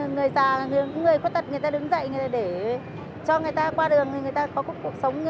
người già người khuyết tật người ta đứng dậy để cho người ta qua đường thì người ta có cuộc sống